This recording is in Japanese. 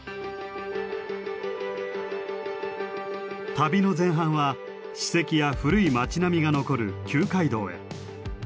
旅の前半は史跡や古い町並みが残る旧街道へ。